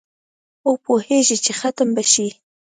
او پوهیږي چي ختم به شي